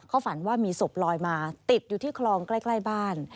เขาฝันว่ามีศพลอยมาติดอยู่ที่คลองใกล้บ้าน